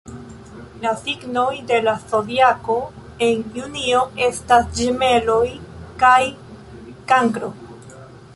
La signoj de la Zodiako en junio estas Ĝemeloj kaj Kankro.